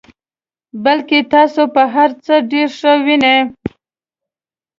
بلکې تاسو په هر څه کې ښه وینئ.